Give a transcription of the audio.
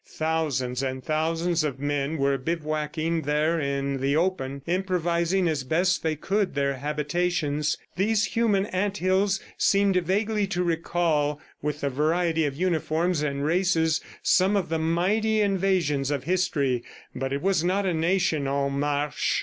Thousands and thousands of men were bivouacking there in the open, improvising as best they could their habitations. These human ant hills seemed vaguely to recall, with the variety of uniforms and races, some of the mighty invasions of history; but it was not a nation en marche.